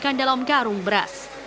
dan dibunyikan dalam garung beras